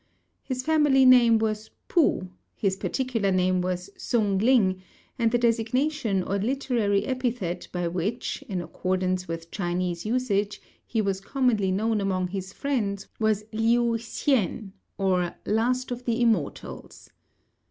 His family name was P'u; his particular name was Sung ling; and the designation or literary epithet by which, in accordance with Chinese usage, he was commonly known among his friends, was Liu hsien, or "Last of the Immortals."